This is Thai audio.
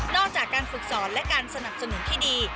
อกจากการฝึกสอนและการสนับสนุนที่ดี